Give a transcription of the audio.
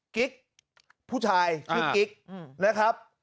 กิ๊กผู้ชายชื่อกิ๊กนะครับ